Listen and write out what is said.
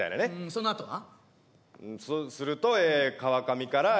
そのあとは？